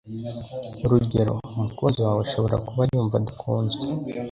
urugero umukunzi wawe ashobora kuba yumva adakunzwe